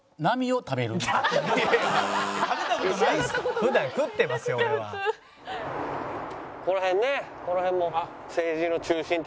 普段食ってますよ俺は。